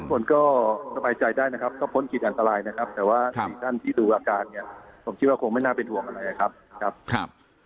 คนก็สบายใจได้นะครับก็พ้นขีดอันตรายนะครับแต่ว่าสี่ท่านที่ดูอาการเนี่ยผมคิดว่าคงไม่น่าเป็นห่วงอะไรนะครับครับ